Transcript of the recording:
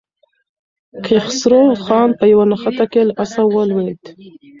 کیخسرو خان په یوه نښته کې له آسه ولوېد.